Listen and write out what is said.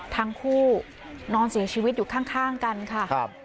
ทั้งคู่นอนเสียชีวิตอยู่ข้างกันค่ะ